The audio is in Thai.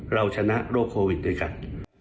เราชนะโรคโควิดด้วยกัน